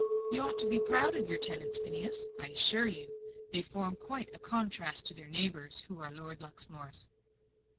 "You ought to be proud of your tenants, Phineas. I assure you, they form quite a contrast to their neighbours, who are Lord Luxmore's."